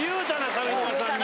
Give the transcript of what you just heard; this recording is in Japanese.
上沼さんに。